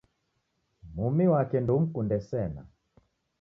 Mumi wake ndeumkunde sena